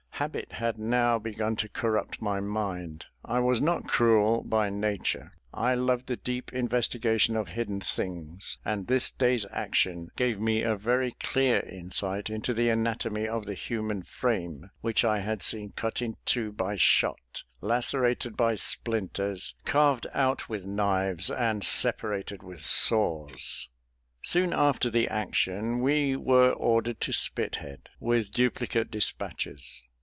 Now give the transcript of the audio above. Habit had now begun to corrupt my mind. I was not cruel by nature; I loved the deep investigation of hidden things; and this day's action gave me a very clear insight into the anatomy of the human frame, which I had seen cut in two by shot, lacerated by splinters, carved out with knives, and separated with saws. Soon after the action, we were ordered to Spithead, with duplicate despatches.